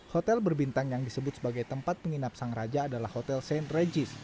hotel berbintang yang disebut sebagai tempat penginap sang raja adalah hotel st regis